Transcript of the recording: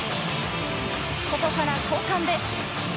ここから交換です。